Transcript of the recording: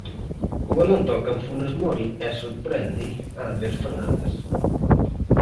O balón toca en Funes Mori e sorprende a Andrés Fernández.